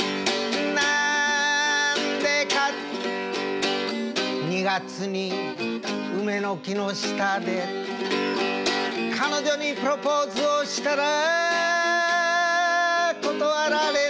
「今度は４月に桜の木の下で彼女にプロポーズをしたら」